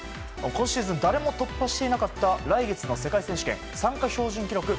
今シーズン誰も突破していなかった来月の世界選手権の参加標準記録